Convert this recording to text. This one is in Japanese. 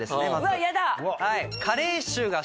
うわっやだ！